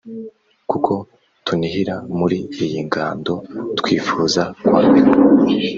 Kuko tunihira muri iyi ngando twifuza kwambikwa